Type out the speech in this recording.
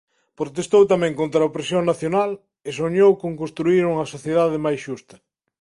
Protestou tamén contra a opresión nacional e soñou con construír unha sociedade máis xusta.